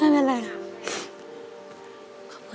ไม่เป็นไร